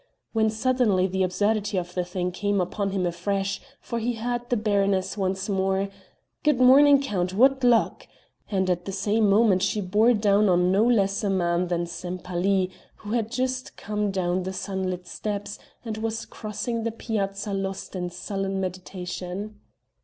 when suddenly the absurdity of the thing came upon him afresh, for he heard the baroness once more: "Good morning, Count, what luck!" and at the same moment she bore down on no less a man than Sempaly, who had just come down the sunlit steps, and was crossing the Piazza lost in sullen meditation.